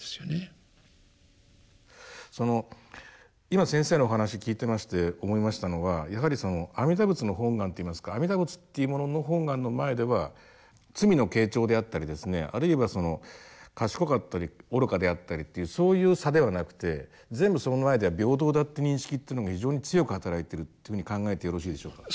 今先生のお話聞いてまして思いましたのはやはりその阿弥陀仏の本願っていいますか阿弥陀仏っていうものの本願の前では罪の軽重であったりですねあるいはその賢かったり愚かであったりっていうそういう差ではなくて全部その前では平等だって認識っていうのが非常に強くはたらいているというふうに考えてよろしいでしょうか。